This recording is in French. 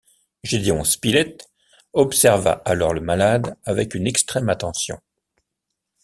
Gédéon Spilett observa alors le malade avec une extrême attention.